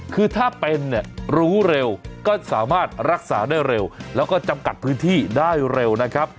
คือถ้าเป็นเนี่ยรู้เร็วก็สามารถรักษาได้เร็วแล้วก็จำกัดพื้นที่ได้เร็วนะครับ